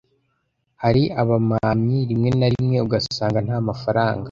hari abamamyi rimwe na rimwe ugasanga nta mafaranga